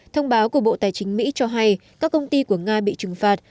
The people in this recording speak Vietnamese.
thông báo của bộ tài chính mỹ cho hay các công ty của nga bị trừng phạt